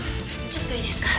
ちょっといいですか？